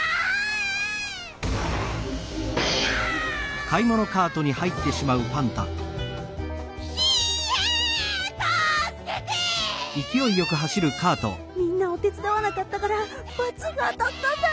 こころのこえみんなをてつだわなかったからばちがあたったんだ！